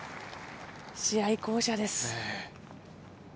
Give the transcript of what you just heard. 試合巧者です。